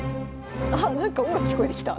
あなんか音楽聞こえてきた。